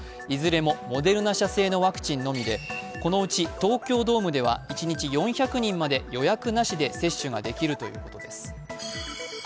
いずれもモデルナ社製のワクチンのみで、このうち東京ドームでは一日４００人まで予約なしで接種ができるということです。